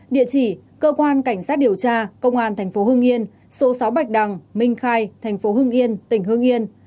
địa chỉ cơ quan cảnh sát điều tra công an tp hương yên số sáu bạch đằng minh khai tp hương yên tỉnh hương yên